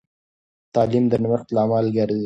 تعلیم د نوښت لامل ګرځي.